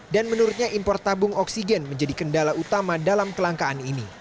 dan menurutnya impor tabung oksigen menjadi kendala utama dalam kelangkaan ini